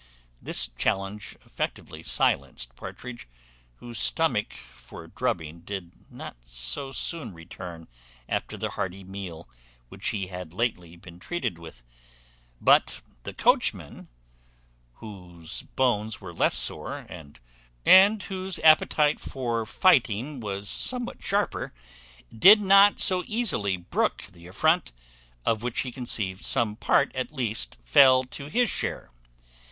This challenge effectually silenced Partridge, whose stomach for drubbing did not so soon return after the hearty meal which he had lately been treated with; but the coachman, whose bones were less sore, and whose appetite for fighting was somewhat sharper, did not so easily brook the affront, of which he conceived some part at least fell to his share.